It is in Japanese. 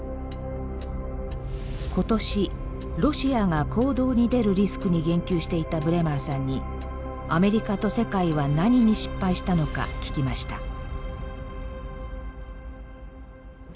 今年「ロシア」が行動に出るリスクに言及していたブレマーさんにアメリカと世界は何に失敗したのか聞きました。